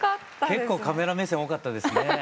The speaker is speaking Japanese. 結構カメラ目線多かったですね。